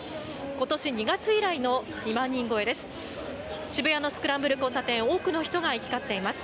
今年２月以来の２万人超えです。